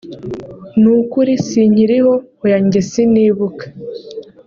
nukuri sinkiriho hoya njye sinibuka